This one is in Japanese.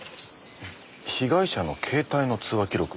被害者の携帯の通話記録。